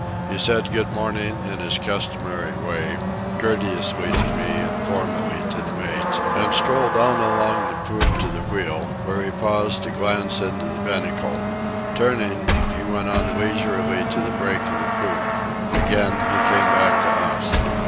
He said good morning in his customary way, courteously to me and formally to the mate, and strolled on along the poop to the wheel, where he paused to glance into the binnacle. Turning, he went on leisurely to the break of the poop. Again he came back to us.